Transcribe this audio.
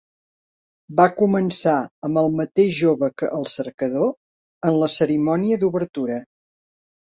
Va començar amb el mateix jove que el "Cercador" en la cerimònia d'obertura.